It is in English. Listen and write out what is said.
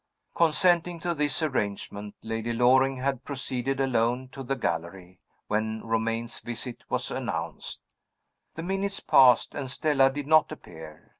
Consenting to this arrangement, Lady Loring had proceeded alone to the gallery, when Romayne's visit was announced. The minutes passed, and Stella did not appear.